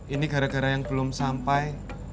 ini gara gara yang belum sampai